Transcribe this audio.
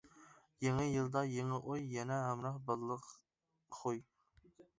يېڭى يىلدا يېڭى ئوي، يەنە ھەمراھ بالىلىق خۇي.